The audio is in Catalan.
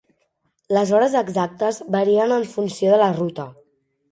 Les hores exactes varien en funció de la ruta.